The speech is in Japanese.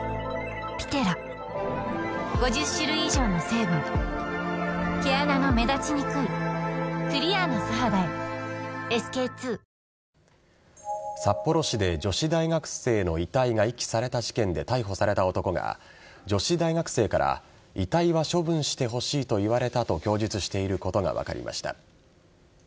関係者からは再び１ドル１４７円台後半の水準を超えれば札幌市で女子大学生の遺体が遺棄された事件で逮捕された男が女子大学生から遺体は処分してほしいと言われたと供述していることが分かりました。